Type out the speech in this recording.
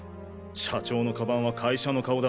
社長の鞄は会社の顔だ。